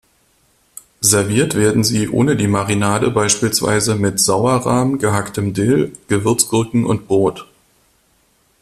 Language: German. Serviert werden sie ohne die Marinade beispielsweise mit Sauerrahm, gehacktem Dill, Gewürzgurken und Brot.